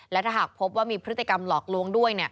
และถ้าหากพบว่ามีพฤติกรรมหลอกลวงด้วย